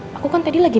ah aku kan tadi lagi